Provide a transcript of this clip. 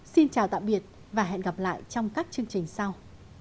xin chào tạm biệt và hẹn gặp lại trong các chương trình sau